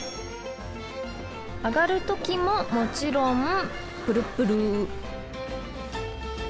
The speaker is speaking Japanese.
あがるときももちろんプルプル！